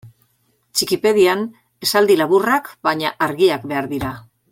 Txikipedian esaldi laburrak baina argiak behar dira.